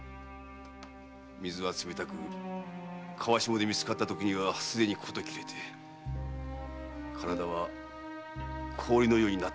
水は冷たく川下で見つかったときにはすでにこと切れて体は氷のようでした。